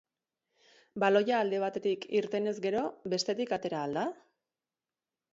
Baloia alde batetik irtenez gero, bestetik atera al da?